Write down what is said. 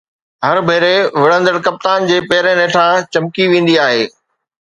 هر ڀيري وڙهندڙ ڪپتان جي پيرن هيٺان چمڪي ويندي آهي.